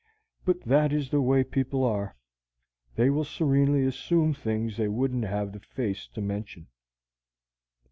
But that is the way people are: they will serenely assume things they wouldn't have the face to mention.